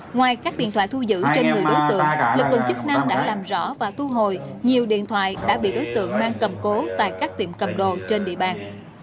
ngoài các điện thoại thu giữ trên người đối tượng lực lượng chức năng đã làm rõ và thu hồi nhiều điện thoại đã bị đối tượng mang cầm cố tại các tiệm cầm đồ trên địa bàn